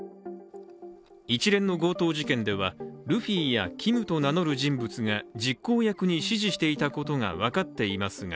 一連の強盗事件ではルフィやＫｉｍと名乗る人物が実行役に指示していたことが分かっていますが